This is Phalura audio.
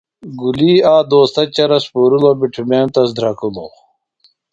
گُلی آک دوستہ چرس پُورِلوۡ بُٹھیم تس دھرکِلوۡ۔